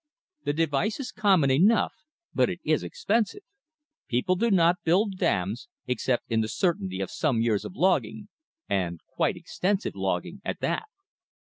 The device is common enough; but it is expensive. People do not build dams except in the certainty of some years of logging, and quite extensive logging at that.